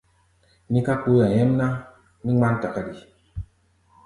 Níká kpooʼɛ nyɛ́mná, mí ŋmán takáɗi.